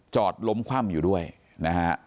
ล้มคว่ำอยู่ด้วยนะฮะ